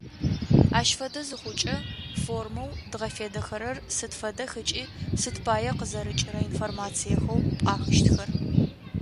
Ащ фэдэ зыхъукӏэ формэу дгъэфедэхэрэр сыд фэдэх ыкӏи сыд пая къызэрыкӏырэ информациехэу пӏахыщтхэр.